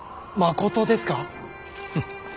まことですか。